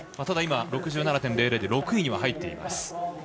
ただ、６７．００で６位には入っています。